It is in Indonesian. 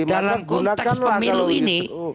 dalam konteks pemilu ini